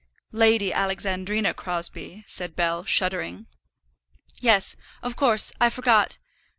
"Lady Alexandrina Crosbie," said Bell, shuddering. "Yes, of course; I forgot.